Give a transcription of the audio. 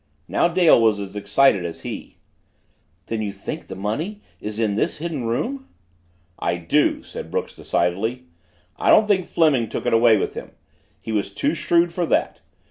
'" Now Dale was as excited as he. "Then you think the money is in this hidden room?" "I do," said Brooks decidedly. "I don't think Fleming took it away with him. He was too shrewd for that.